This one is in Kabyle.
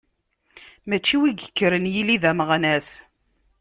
Mačči win yekkren yili d ameɣnas.